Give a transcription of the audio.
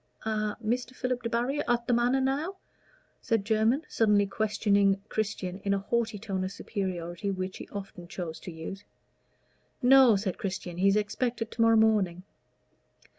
"A Mr. Philip Debarry at the Manor now?" said Jermyn, suddenly questioning Christian, in a haughty tone of superiority which he often chose to use. "No," said Christian, "he is expected to morrow morning."